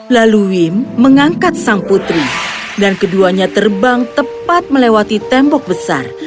lalu wim mengangkat sang putri dan keduanya terbang tepat melewati tembok besar